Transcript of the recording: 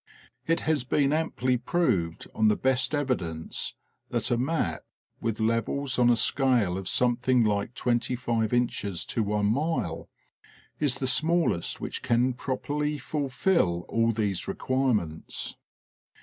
It has been amply proved on the best evidence that a map, with levels, on a scale of something like twenty five inches to one mile is the smallest which can properly fulfill all these require ments.